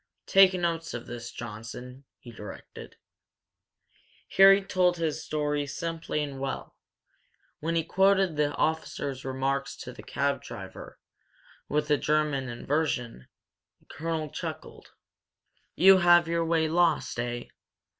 "Take notes of this, Johnson," he directed. Harry told his story simply and well. When he quoted the officer's remark to the cab driver, with the German inversion, the colonel chuckled. "You have your way lost!' Eh?"